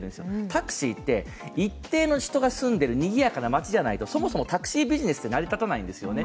タクシーって、一定の人が住んでいるにぎやかな街じゃないとそもそもタクシービジネスって成り立たないんですよね。